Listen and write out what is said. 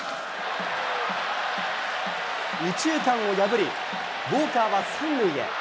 右中間を破り、ウォーカーは３塁へ。